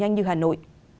như hà nội